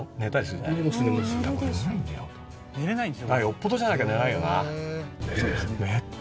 よっぽどじゃなきゃ寝ないよな？